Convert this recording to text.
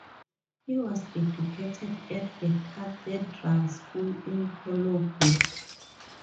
He was educated at the cathedral school in Cologne.